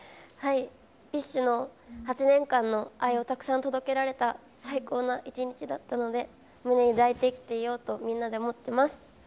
ＢｉＳＨの８年間の愛をたくさん届けられた、最高な一日だったので、胸に抱いて生きようとみんなで思っています。